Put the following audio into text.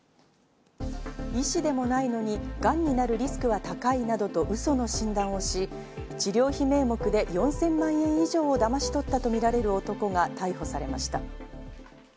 医師でもないのにがんになるリスクは高いなどと、ウソの診断をし、治療費名目で４０００万円以上だまし取ったとみられる男が逮捕されました。